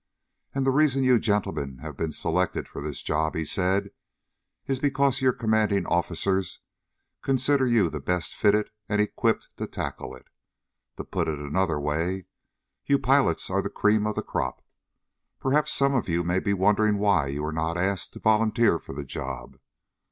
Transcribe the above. "And the reason you gentlemen have been selected for this job," he said, "is because your commanding officers consider you best fitted and equipped to tackle it. To put it another way, you pilots are the cream of the crop. Perhaps some of you may be wondering why you were not asked to volunteer for the job.